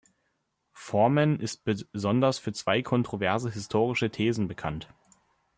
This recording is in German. Forman ist besonders für zwei kontroverse historische Thesen bekannt.